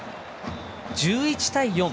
１１対４。